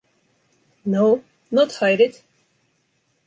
No? Not hide it?